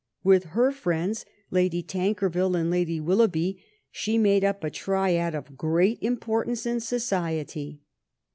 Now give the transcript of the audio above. With her friends Lady Tankerville and Lady Willougby she made up a triad of great im , portance in society.